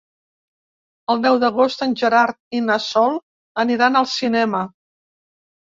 El deu d'agost en Gerard i na Sol aniran al cinema.